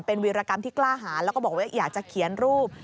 เป็นวีรกรรมที่กล้าหาแล้วก็บอกว่าอยากจะเขียนรูป